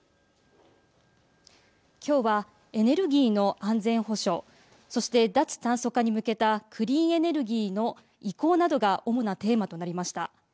今日はエネルギーの安全保障そして、脱炭素化に向けたクリーンエネルギーの移行などが主なテーマとなりました。